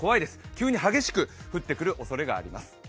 急に激しく降ってくるおそれがあります。